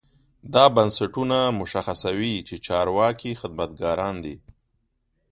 دا بنسټونه مشخصوي چې چارواکي خدمتګاران دي.